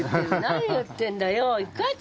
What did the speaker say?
何言ってんだよ。